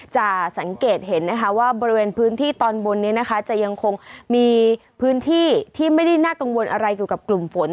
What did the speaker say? จะสังเกตเห็นนะคะว่าบริเวณพื้นที่ตอนบนนี้นะคะจะยังคงมีพื้นที่ที่ไม่ได้น่ากังวลอะไรเกี่ยวกับกลุ่มฝน